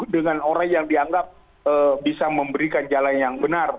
dengan orang yang dianggap bisa memberikan jalan yang benar